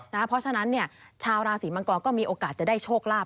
เพราะฉะนั้นชาวราศีมังกรก็มีโอกาสจะได้โชคลาภ